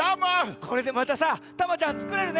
これでまたさタマちゃんつくれるね。